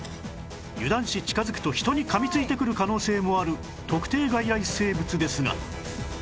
油断し近づくと人に噛みついてくる可能性もある特定外来生物ですが